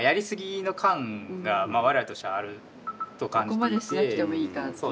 ここまでしなくてもいいかっていう。